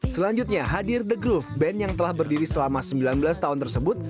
selanjutnya hadir the groove band yang telah berdiri selama sembilan belas tahun tersebut